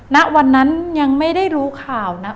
ณวันนั้นยังไม่ได้รู้ข่าวนะ